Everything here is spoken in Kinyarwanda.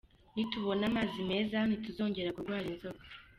Nitubona amazi meza ntituzongera kurwaza inzoka.